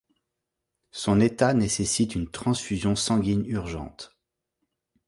Son état nécessite une transfusion sanguine urgente.